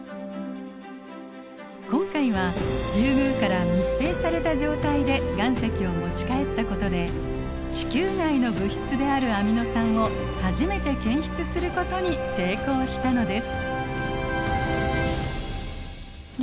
今回はリュウグウから密閉された状態で岩石を持ち帰ったことで地球外の物質であるアミノ酸を初めて検出することに成功したのです。